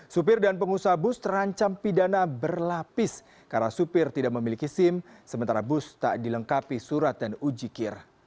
supir dan pengusaha bus terancam pidana berlapis karena supir tidak memiliki sim sementara bus tak dilengkapi surat dan ujikir